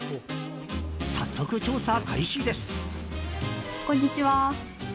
早速、調査開始です。